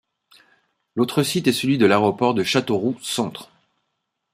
L'autre site est celui de l'aéroport de Châteauroux-Centre.